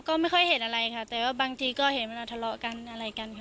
ก็ไม่ค่อยเห็นอะไรค่ะแต่ว่าบางทีก็เห็นเวลาทะเลาะกันอะไรกันค่ะ